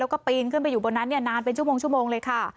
แล้วก็ปีนขึ้นไปอยู่บนนั้นนานเป็นชั่วโมงเลยค่ะ